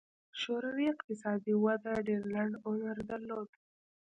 شوروي اقتصادي وده ډېر لنډ عمر درلود.